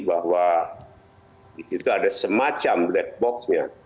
ada semacam black box